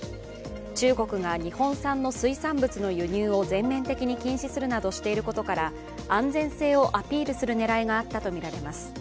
中国が日本産の水産物の輸入を全面的に禁止するなどしていることから安全性をアピールする狙いがあったとみられます。